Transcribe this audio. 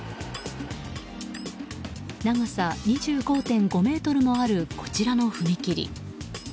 長さ２５．５ｍもあるこちらの踏切。